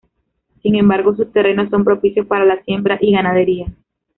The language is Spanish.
Sin embargo, sus terrenos son propicios para la siembra y ganadería.